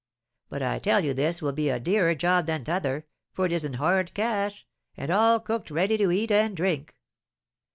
But I tell you this will be a dearer job than t'other, for it is in hard cash, and all cooked ready to eat and drink."